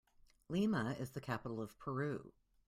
Lima is the capital of Peru.